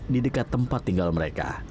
di dekat tempat tinggal mereka